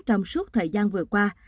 trong suốt thời gian vừa qua